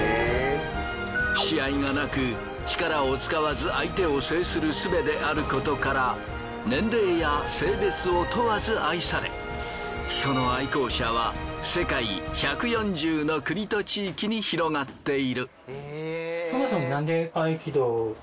試合がなく力を使わず相手を制するすべであることから年齢や性別を問わず愛されその愛好者は世界１４０の国と地域に広がっている。